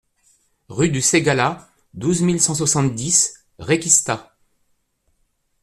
Rue du Ségala, douze mille cent soixante-dix Réquista